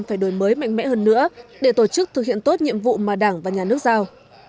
phải đổi mới mạnh mẽ hơn nữa để tổ chức thực hiện tốt nhiệm vụ mà đảng và nhà nước giao